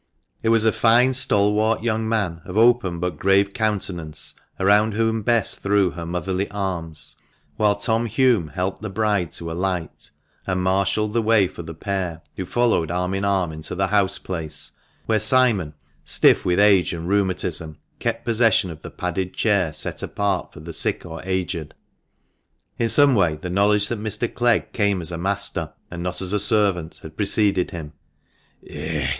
It was a fine stalwart young man, of open but grave countenance, around whom Bess threw her motherly arms, while Tom Hulme helped the bride to alight, and marshalled the way for the pair, who followed arm in arm into the house place, where Simon, stiff with age and rheumatism, kept possession of the padded chair set apart for the sick or aged. In some way the knowledge that Mr. Clegg came as a master, and not as a servant, had preceded him.